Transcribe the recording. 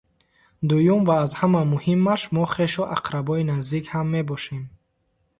Дуюм ва аз ҳама муҳиммаш, мо хешу ақрабои наздик ҳам мебошем.